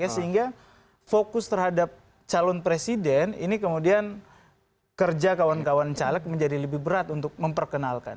sehingga fokus terhadap calon presiden ini kemudian kerja kawan kawan caleg menjadi lebih berat untuk memperkenalkan